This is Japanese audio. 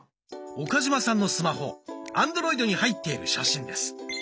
岡嶋さんのスマホアンドロイドに入っている写真です。